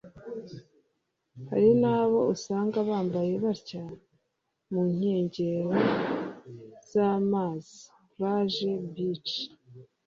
Hari n’abo usanga bambaye batya mu nkengero z’amazi (plage/beach)